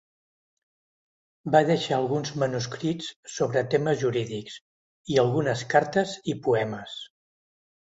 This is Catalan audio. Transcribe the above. Va deixar alguns manuscrits sobre temes jurídics, i algunes cartes i poemes.